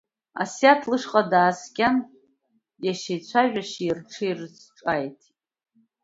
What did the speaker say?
Асиаҭ лышҟа дааскьан, иашьа ицәажәашьа ирҽеирц ҿааиҭит.